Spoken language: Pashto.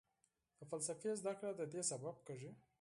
د فلسفې زده کړه ددې سبب کېږي.